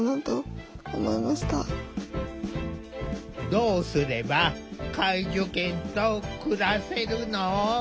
どうすれば介助犬と暮らせるの？